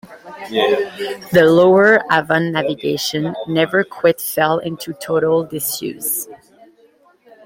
The Lower Avon Navigation never quite fell into total disuse.